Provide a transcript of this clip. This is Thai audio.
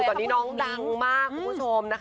คือตอนนี้น้องดังมากคุณผู้ชม